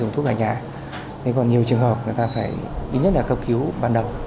thế còn nhiều trường hợp người ta phải ít nhất là cấp cứu ban đầu